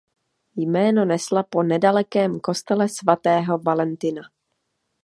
Jméno nesla po nedalekém kostele svatého Valentina.